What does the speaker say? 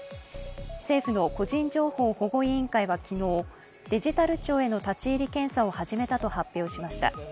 政府の個人情報保護委員会は昨日デジタル庁への立入検査を始めたと発表しました。